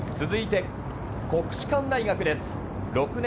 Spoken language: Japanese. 続いて国士舘大学です。